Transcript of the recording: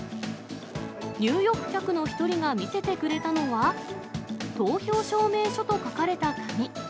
入浴客の１人が見せてくれたのは、投票証明書と書かれた紙。